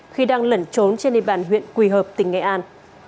khi đang lẩn trốn trên địa bàn huyện quỳ hợp tỉnh nghệ an